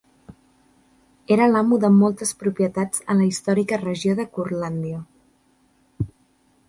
Era amo de moltes propietats a la històrica regió de Curlàndia.